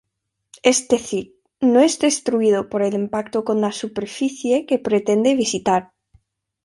Es decir, no es destruido por el impacto con la superficie que pretende visitar.